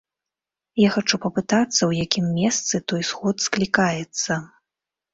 Я хачу папытацца, у якім месцы той сход склікаецца.